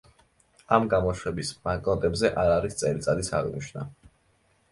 ამ გამოშვების ბანკნოტებზე არ არის წელიწადის აღნიშვნა.